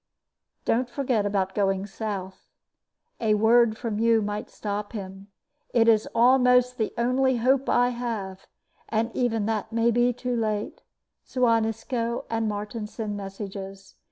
"Don't forget about going South. A word from you may stop him. It is almost the only hope I have, and even that may be too late. Suan Isco and Martin send messages.